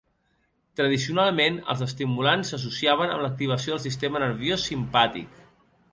Tradicionalment, els estimulants s'associaven amb l'activació del sistema nerviós simpàtic.